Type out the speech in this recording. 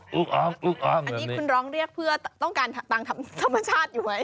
อันนี้คุณร้องเรียกเพื่อต้องการตามธรรมชาติอยู่ไหม